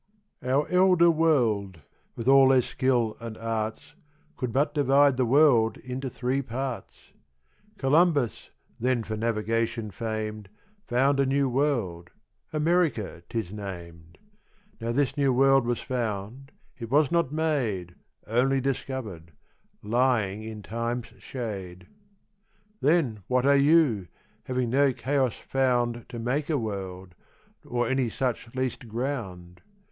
Our Elder World, with all their Skill and Arts, Could but divide the World into three Parts: Columbus, then for Navigation fam'd, Found a new World, America 'tis nam'd; Now this new World was found, it was not made, Onely discovered, lying in Time's shade. Then what are You, having no Chaos found To make a World, or any such least ground?